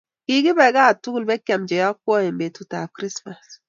kikibe ketuul beek ak keam che yokwoen betutab krismas